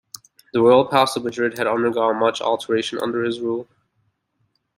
The Royal Palace of Madrid had undergone much alteration under his rule.